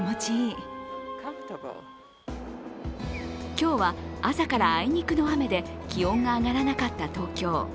今日は朝からあいにくの雨で気温が上がらなかった東京。